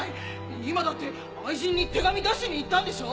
今だって愛人に手紙出しに行ったんでしょ！